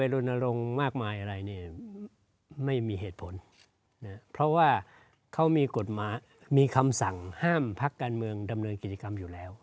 รณรงค์มากมายอะไรเนี่ยไม่มีเหตุผลเพราะว่าเขามีกฎหมายมีคำสั่งห้ามพักการเมืองดำเนินกิจกรรมอยู่แล้ว